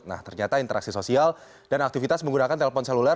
nah ternyata interaksi sosial dan aktivitas menggunakan telpon seluler